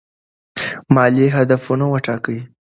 مالي هدفونه وټاکئ.